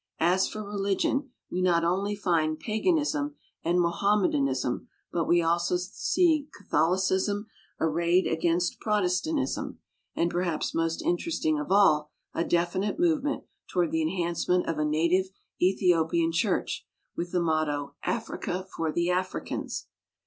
As for religion we not only find paganism and Mohammedanism, but we also see Catholi cism arrayed against Protestantism, and perhaps most interesting of all, a definite movement toward the enhancement of a native Ethiopian church, with the motto "Africa for the Africans."